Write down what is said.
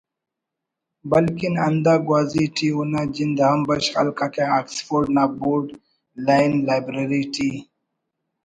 بلکن ہندا گوازی ٹی اونا جند ہم بشخ ہلککہ آکسفورڈ نا بوڈ لیئن لائبریری ٹی